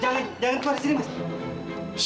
jangan jangan keluar dari sini mas